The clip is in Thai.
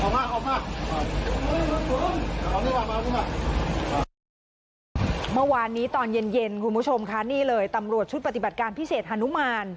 เมื่อวานนี้ตอนเย็นคุณผู้ชมค่ะนี่เลยตำรวจชุดปฏิบัติการพิเศษฮานุมาน